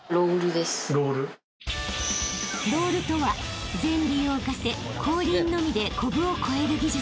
［ロールとは前輪を浮かせ後輪のみでコブを越える技術］